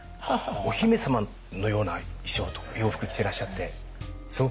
お姫様のような衣装とか洋服着てらっしゃってすごかったです。